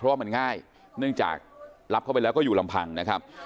เพราะว่ามันง่ายเนื่องจากรับเข้าไปแล้วก็อยู่ลำพังนะครับ